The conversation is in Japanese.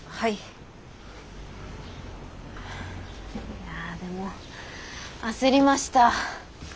いやでも焦りました。